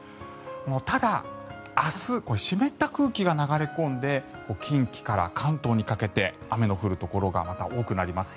ただ、明日湿った空気が流れ込んで近畿から関東にかけて雨の降るところがまた多くなります。